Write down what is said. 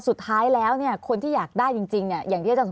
สุดท้ายแล้วเนี่ยคนที่อยากได้จริงเนี่ย